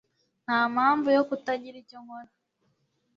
Ntampamvu yo kutagira icyo nkora.